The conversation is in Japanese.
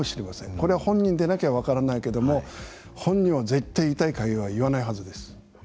これは本人でなきゃ分からないけども本人は絶対「痛い」「かゆい」は言わないはずです。